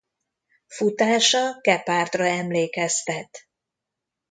Futása gepárdra emlékeztet.